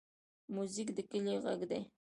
موزیک د کلي غږ دی.